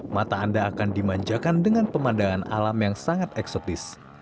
mata anda akan dimanjakan dengan pemandangan alam yang sangat eksotis